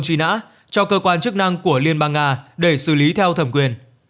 truy nã cho cơ quan chức năng của liên bang nga để xử lý theo thẩm quyền